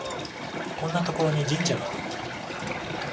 こんなところに神社があるんだ